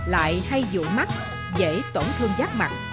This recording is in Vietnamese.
lại hay dụ mắt dễ tổn thương giác mặt